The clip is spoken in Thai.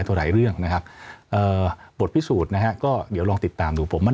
อยากลองติดตามดู